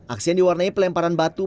aksi yang diwarnai pelemparan batu